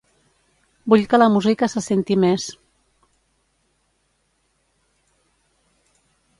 Vull que la música se senti més.